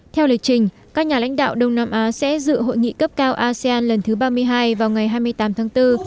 theo lịch trình các nhà lãnh đạo đông nam á sẽ dự hội nghị cấp cao asean lần thứ ba mươi hai vào ngày hai mươi tám tháng bốn